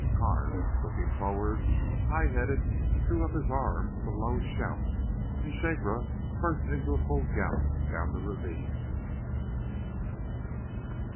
Connor looking forward, high headed, threw up his arm with a low shout, and Shakra burst into full gallop down the ravine.